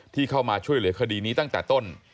ที่เข้ามาช่วยเหลือคดีนี้ตั้งแต่ต้น